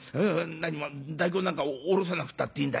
なにも大根なんかおろさなくたっていいんだ。